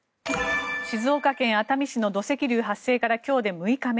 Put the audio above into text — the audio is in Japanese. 静岡県熱海市の土石流発生から今日で６日目。